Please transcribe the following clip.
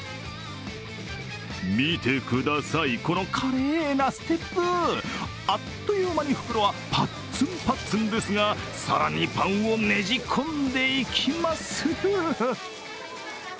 見てください、この華麗なステップあっという間に袋はパッツンパッツンですが、更にパンをねじ込んでいきます。